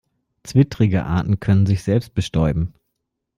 Zwittrige Arten können sich selbst bestäuben.